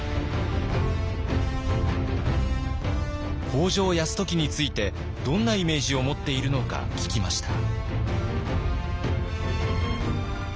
北条泰時についてどんなイメージを持っているのか聞きました。